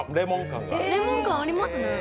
レモン感ありますね。